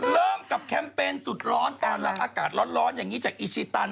เริ่มกับแคมเปญสุดร้อนตอนรับอากาศร้อนอย่างนี้จากอีชิตัน